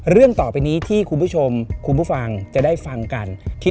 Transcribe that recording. เรื่องต่อไปนี้ที่คุณผู้ชมคุณผู้ฟังจะได้ฟังกันที่